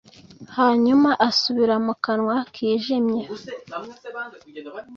Hanyuma asubira mu kanwa kijimye